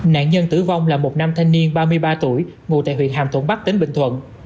nạn nhân tử vong là một nam thanh niên ba mươi ba tuổi ngụ tại huyện hàm thuận bắc tỉnh bình thuận